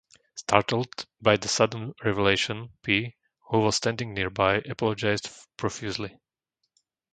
Startled by the sudden revelation, P, who was standing nearby, apologized profusely.